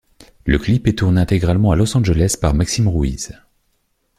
Le clip est tourné intégralement à Los Angeles par Maxime Ruiz.